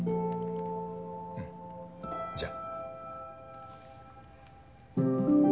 うんじゃあ。